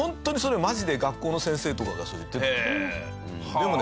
でもね